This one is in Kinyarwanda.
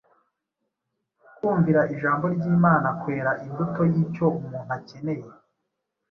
kumvira ijambo ry’imana kwera imbuto y’icyo umuntu akeneye